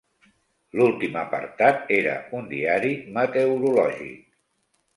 L'últim apartat era un diari meteorològic.